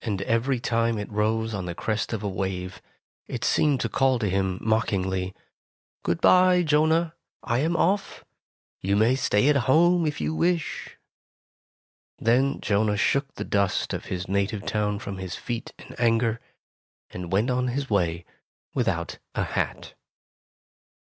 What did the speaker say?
And every time it rose on the crest of a wave, it seemed to call to him mockingly, ''Good bye, Jonah, I am off! You may stay at home, if you wish!'' Then Jonah 52 Tales of Modern, Germany shook the dust of his native town from his feet in anger, and went on his way, without a hat.